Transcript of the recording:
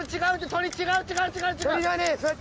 鳥違う違う違う違う！